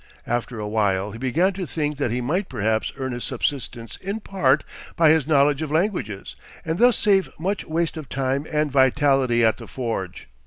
After a while, he began to think that he might perhaps earn his subsistence in part by his knowledge of languages, and thus save much waste of time and vitality at the forge.